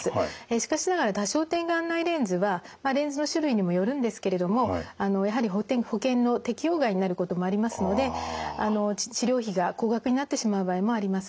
しかしながら多焦点眼内レンズはレンズの種類にもよるんですけれどもやはり保険の適用外になることもありますので治療費が高額になってしまう場合もあります。